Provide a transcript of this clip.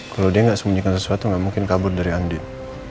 kalau dia nggak sembunyikan sesuatu nggak mungkin kabur dari andin